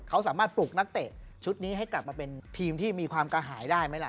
เขาสามารถปลุกนักเตะชุดนี้ให้กลับมาเป็นทีมที่มีความกระหายได้ไหมล่ะ